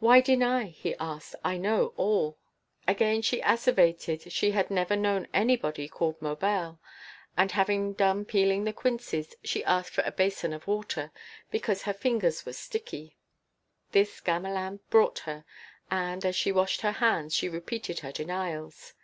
"Why deny?" he asked. "I know all." Again she asseverated she had never known anybody called Maubel. And, having done peeling the quinces, she asked for a basin of water, because her fingers were sticky. This Gamelin brought her, and, as she washed her hands, she repeated her denials.